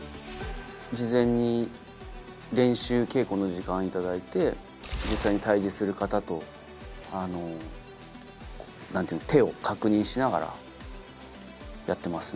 事前に練習稽古の時間頂いて実際に対峙する方と手を確認しながらやってますね。